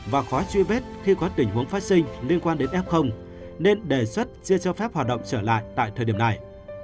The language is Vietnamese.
và khó truy vết khi có tình huống phát sinh liên quan đến f nên đề xuất chưa cho phép hoạt động trở lại tại thời điểm này